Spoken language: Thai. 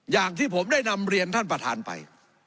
อย่างที่ผมได้นำเรียนท่านประธานไป